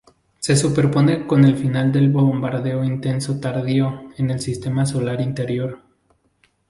Se superpone con el final del bombardeo intenso tardío en el sistema solar interior.